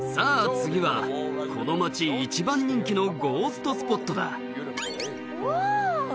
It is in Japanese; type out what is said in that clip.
次はこの街一番人気のゴーストスポットだうわ！